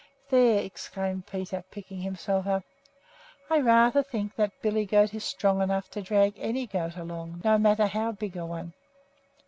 "There!" exclaimed Peter, picking himself up; "I rather think that billy goat is strong enough to drag any goat along, no matter how big a one."